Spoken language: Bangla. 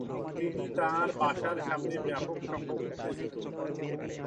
তিনি তাঁর বাসার সামনে ব্যাপক সংখ্যক উত্তেজিত